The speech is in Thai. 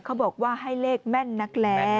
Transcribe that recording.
เขาบอกว่าให้เลขแม่นนักแล้ว